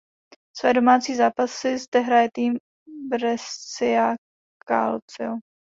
Své domácí zápasy zde hraje tým Brescia Calcio.